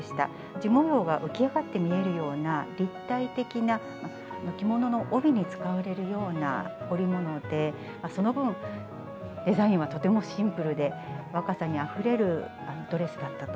地模様が浮き上がって見えるような、立体的な着物の帯に使われるような織物で、その分、デザインはとてもシンプルで、若さにあふれるドレスだったと。